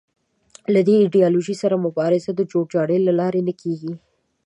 له دې ایدیالوژۍ سره مبارزه د جوړ جاړي له لارې نه کېږي